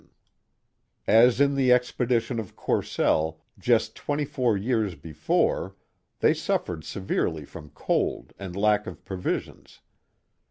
Schonowe or Schenectady 6i As in the expedition of Courcelle, just twenty four years be fore, they suffered severely from cold and lack of provisions.